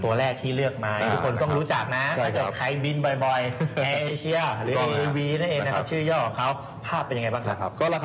ถูกต้อง